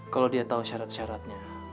kalau dia tahu syarat syaratnya